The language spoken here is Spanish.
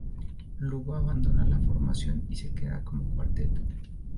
Luba abandona la formación y se quedan como cuarteto.